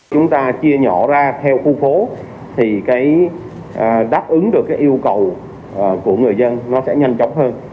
chúng ta chia nhỏ ra theo khu phố thì đáp ứng được yêu cầu của người dân sẽ nhanh chóng hơn